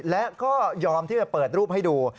และก็ยอมที่จะเปิดรูปให้ดู